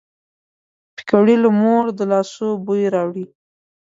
پکورې له مور د لاسو بوی راوړي